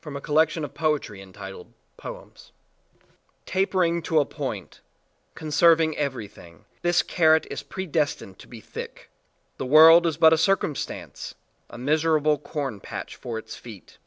20 POEMS BY MARIANNE MOORE RADICAL Tapering to a point, conserving everything, this carrot is predestined to be thick. The world is but a circumstance, a mis erable corn patch for its feet.